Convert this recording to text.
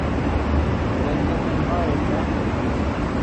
Dengê min nayê te.